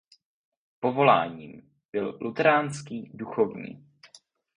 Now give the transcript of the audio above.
Povoláním byl luteránský duchovní.